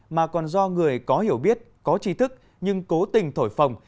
mà còn do người có hiểu biết có trí thức nhưng cố tình thổi phòng